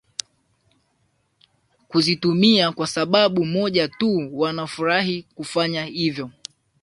kuzitumia kwa sababu moja tu Wanafurahia kufanya hivyo